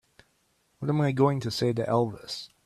What am I going to say to Elvis?